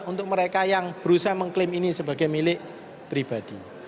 untuk mereka yang berusaha mengklaim ini sebagai milik pribadi